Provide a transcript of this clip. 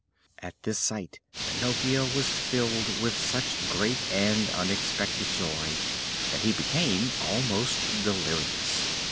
At this sight Pinocchio was filled with such great and unexpected joy that he became almost delirious.